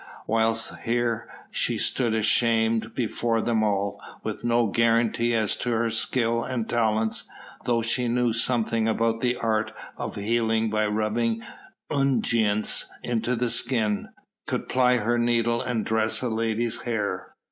Whilst here she stood shamed before them all, with no guarantee as to her skill and talents, though she knew something about the art of healing by rubbing unguents into the skin, could ply her needle and dress a lady's hair.